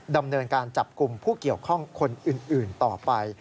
ดำเนินการจับกลุ่มผู้เกี่ยวข้องคนอื่นต่อไป